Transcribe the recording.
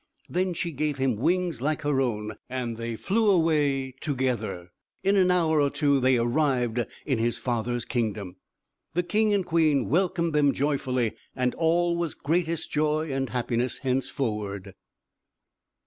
Then she gave him wings like her own, and they flew away together. In an hour or two they arrived in his father's kingdom. The king and queen welcomed them joyfully, and all was greatest joy and happiness henceforward.